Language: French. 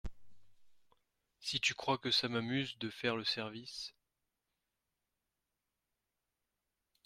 Si tu crois que ça m’amuse de faire le service…